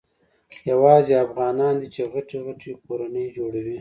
یوازي افغانان دي چي غټي غټي کورنۍ جوړوي.